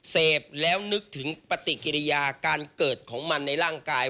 เสพแล้วนึกถึงปฏิกิริยาการเกิดของมันในร่างกาย